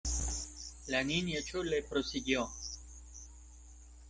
la Niña Chole prosiguió: